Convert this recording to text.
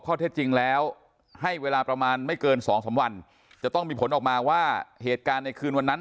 ข้อเท็จจริงแล้วให้เวลาประมาณไม่เกินสองสามวันจะต้องมีผลออกมาว่าเหตุการณ์ในคืนวันนั้น